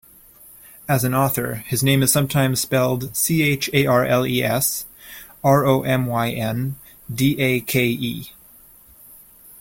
As an author, his name is sometimes spelled Charles Romyn Dake.